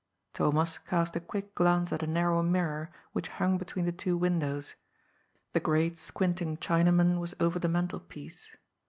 Thomas cast a quick glance at a narrow mirror which hung between the two windows — the great, squinting China man was over the mantelpiece.